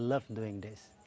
saya suka melakukan ini